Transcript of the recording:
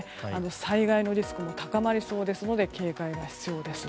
災害のリスクが高まりそうですので警戒が必要です。